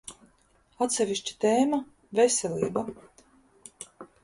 Atsevišķa tēma – veselība.